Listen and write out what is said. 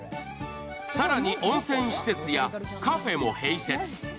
更に、温泉施設やカフェも併設。